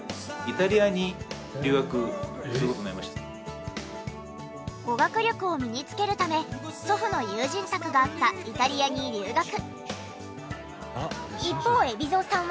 語学力を身につけるため祖父の友人宅があったイタリアに留学。